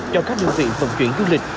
cho các đơn vị vận chuyển du lịch